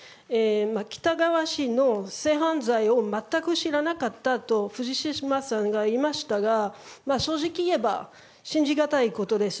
喜多川氏の性犯罪を全く知らなかったと藤島さんが言いましたが正直言えば信じがたいことです。